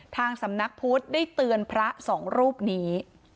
ทางสำนักพุทธได้เตือนพระสองรูปนี้